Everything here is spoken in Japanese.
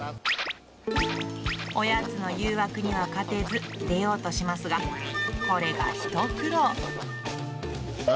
おやつの誘惑には勝てず、出ようとしますが、これが一苦労。